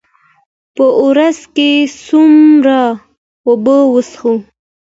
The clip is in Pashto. په ورځ کې څومره اوبه وڅښو؟